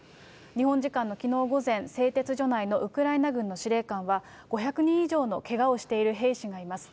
日本時間のきのう午前、製鉄所内のウクライナ軍の司令官は、５００人以上のけがをしている兵士がいます。